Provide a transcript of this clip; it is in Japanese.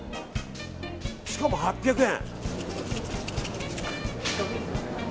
しかも８００円。